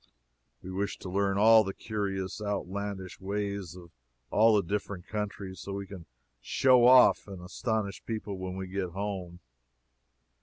We wish to learn all the curious, outlandish ways of all the different countries, so that we can "show off" and astonish people when we get home.